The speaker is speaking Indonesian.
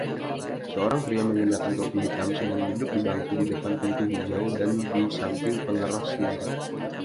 Seorang pria mengenakan topi hitam sedang duduk di bangku di depan pintu hijau dan di samping pengeras suara